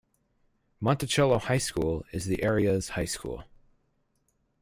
Monticello High School is the area's high school.